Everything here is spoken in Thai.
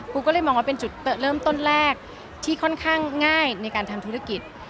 ก็เลยมองว่าเป็นจุดเริ่มต้นแรกที่ค่อนข้างง่ายในการทำธุรกิจ